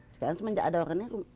sekarang semenjak ada orangnya